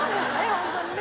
ホントにね。